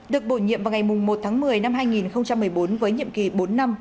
được bổ nhiệm vào ngày một tháng một mươi năm hai nghìn một mươi bốn với nhiệm kỳ bốn năm